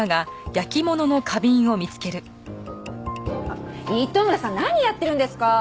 あっ糸村さん何やってるんですか？